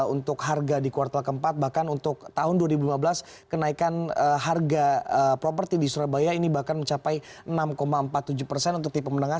untuk harga di kuartal keempat bahkan untuk tahun dua ribu lima belas kenaikan harga properti di surabaya ini bahkan mencapai enam empat puluh tujuh persen untuk tipe menengah